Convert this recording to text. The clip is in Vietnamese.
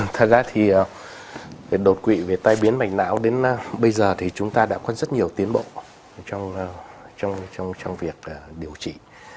thật ra thì đột quỵ về tai biến mạch não đến bây giờ thì chúng ta đã có rất nhiều tiến bộ trong việc điều trị